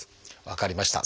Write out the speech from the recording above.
分かりました。